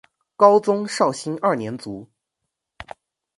高宗绍兴二年卒。